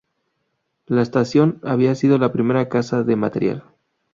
La Estación había sido la primera casa de material.